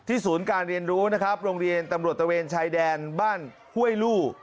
ศูนย์การเรียนรู้นะครับโรงเรียนตำรวจตะเวนชายแดนบ้านห้วยลู่